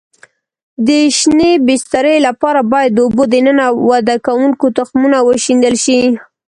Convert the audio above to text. د شینې بسترې لپاره باید د اوبو دننه وده کوونکو تخمونه وشیندل شي.